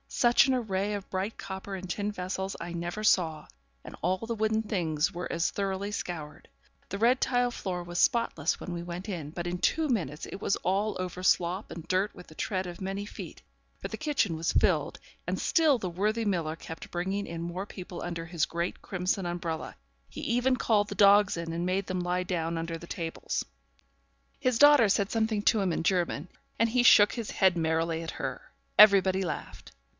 Such an array of bright copper and tin vessels I never saw; and all the wooden things were as thoroughly scoured. The red tile floor was spotless when we went in, but in two minutes it was all over slop and dirt with the tread of many feet; for the kitchen was filled, and still the worthy miller kept bringing in more people under his great crimson umbrella. He even called the dogs in, and made them lie down under the tables. His daughter said something to him in German, and he shook his head merrily at her. Everybody laughed.